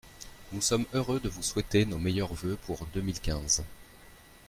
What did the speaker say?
Nous sommes heureux de vous souhaiter nos meilleurs vœux pour deux mille quinze.